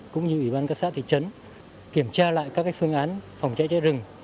cũng như ủy ban các xã thị trấn kiểm tra lại các phương án phòng cháy cháy rừng